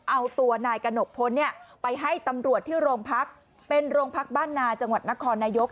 เอาตัวนายกระหนกพลเนี่ยไปให้ตำรวจที่โรงพักเป็นโรงพักบ้านนาจังหวัดนครนายก